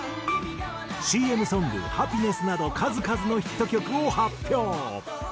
ＣＭソング『ハピネス』など数々のヒット曲を発表。